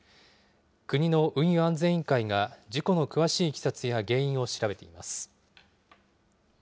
国の運輸安全委員会が、事故の詳しいいきさつや原因を調べています。